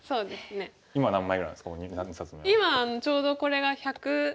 今はちょうどこれが１００。